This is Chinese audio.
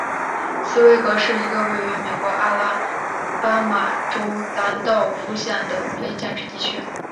斯威格是一个位于美国阿拉巴马州兰道夫县的非建制地区。